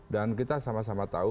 dan kita sama sama tahu